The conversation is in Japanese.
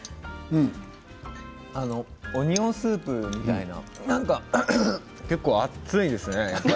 オニオンスープ自体結構熱いですね。